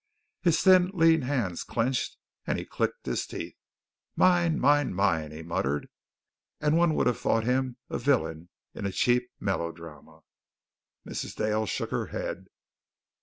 His thin, lean hands clenched and he clicked his teeth. "Mine, mine, mine!" he muttered, and one would have thought him a villain in a cheap melodrama. Mrs. Dale shook her head.